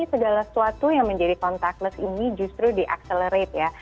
segala sesuatu yang menjadi kontakless ini justru di accelerate